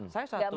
saya satu melihat